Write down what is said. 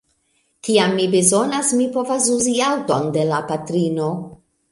Kiam mi bezonas, mi povas uzi aŭton de la patrino.